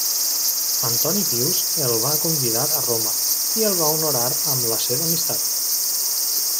Antoní Pius el va convidar a Roma i el va honorar amb la seva amistat.